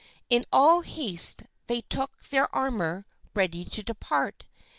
In all haste they took their armor, ready to depart.